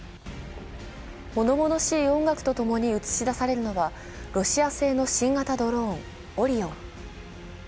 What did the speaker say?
物々しい音楽と共に映し出されるのはロシア製の新型ドローン、オリオン。